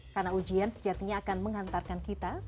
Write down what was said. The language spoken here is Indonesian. karena ujian sejatinya akan mengantarkan kita